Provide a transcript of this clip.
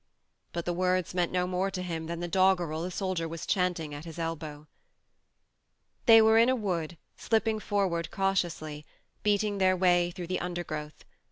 ..." But the words meant no more to him than the doggerel the soldier was chanting at his elbow. They were in a wood, slipping for ward cautiously, beating their way through the under growth.